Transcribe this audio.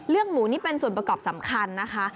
หมูนี่เป็นส่วนประกอบสำคัญนะคะ